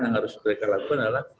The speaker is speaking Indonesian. yang harus mereka lakukan adalah